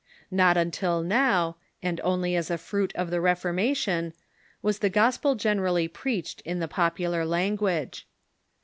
Not until now, and only as a fruit of the Reformation, was the gospel generally preached in the popular language.